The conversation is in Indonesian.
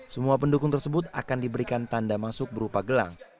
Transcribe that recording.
semua pendukung tersebut akan diberikan tanda masuk berupa gelang